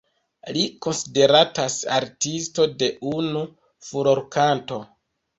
Li konsideratas Artisto de unu furorkanto.